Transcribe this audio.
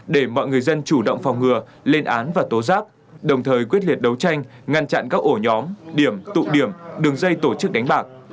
để mọi người dân chủ động phòng ngừa lên án và tố giác đồng thời quyết liệt đấu tranh ngăn chặn các ổ nhóm điểm tụ điểm đường dây tổ chức đánh bạc